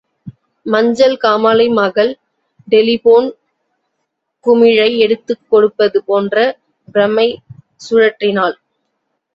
மஞ்சள் காமாலை மகள் டெலிபோன் குமிழை எடுத்துக்கொடுப்பது போன்ற பிரமை, சுழற்றினாள்.